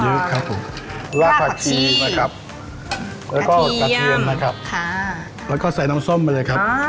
อันนี้ครับผมลากผักชีนะครับแล้วก็กระเทียมนะครับค่ะแล้วก็ใส่น้ำส้มมาเลยครับ